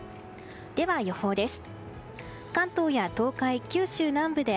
では、予報です。